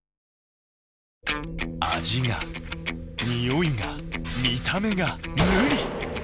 味がにおいが見た目が無理！